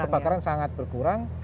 saya kira luar biasa hasilnya